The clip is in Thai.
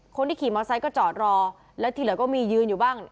คนที่ขี่มอไซค์ก็จอดรอแล้วที่เหลือก็มียืนอยู่บ้าง